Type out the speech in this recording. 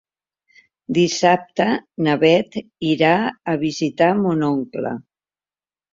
Dissabte na Bet irà a visitar mon oncle.